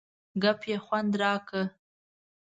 ګپ یې خوند را کړ.